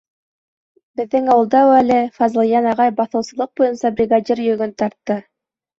Беҙҙең ауылда әүәле Фазылйән ағай баҫыусылыҡ буйынса бригадир йөгөн тартты.